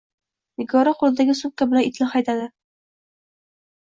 Nigora qoʻlidagi sumka bilan itni haydadi.